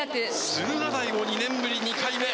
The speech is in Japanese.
駿河台も２年ぶり２回目。